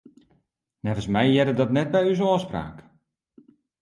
Neffens my hearde dat net by ús ôfspraak.